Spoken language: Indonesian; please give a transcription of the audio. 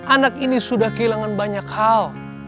anak ini sudah kehilangan banyak hal